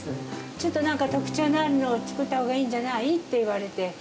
ちょっとなんか特徴のあるものを作ったほうがいいんじゃない？